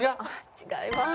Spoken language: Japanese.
違います。